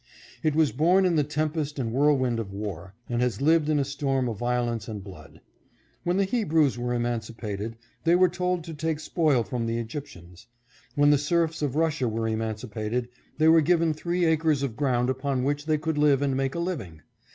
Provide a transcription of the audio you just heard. It was born in the tempest and whirlwind of war, and has lived in a storm of vio lence and blood. When the Hebrews were emancipated, they were told to take spoil from the Egyptians. When the serfs of Russia were emancipated, they were given three acres of ground upon which they could live and make a living.